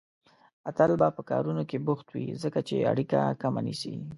اتل به په کارونو کې بوخت وي، ځکه چې اړيکه کمه نيسي.